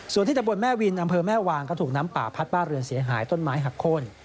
ส่วนที่ตะบนแม่วินอำเภอแม่วางก็ถูกน้ำป่าพัดบ้านเรือนเสียหายต้นไม้หักโค้น